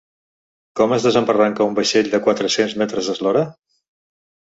Com es desembarranca un vaixell de quatre-cents metres d’eslora?